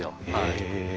へえ。